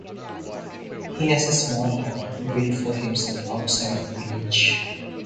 He has a small hut built for himself outside of the village.